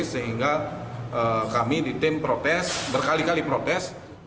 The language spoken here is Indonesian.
sehingga kami ditem protes berkali kali protes